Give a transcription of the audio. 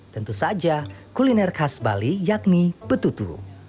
tentu saja kuliner khas bali yakni betutu